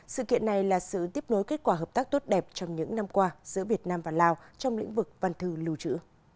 sự kiện này là sự tiếp nối kết quả hợp tác tốt đẹp trong những năm qua giữa việt nam và lào trong lĩnh vực văn thư lưu trữ